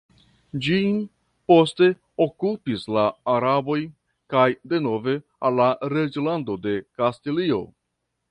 Ĝin poste okupis la araboj, kaj denove al la reĝlando de Kastilio.